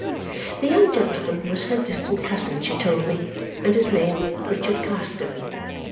The young gentleman was her distant cousin, she told me, and his name Richard Carstone.